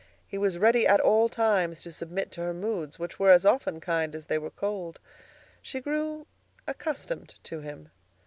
He was ready at all times to submit to her moods, which were as often kind as they were cold. She grew accustomed to him.